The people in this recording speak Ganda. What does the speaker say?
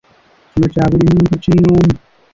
Kino kya buli muntu kinnoomu.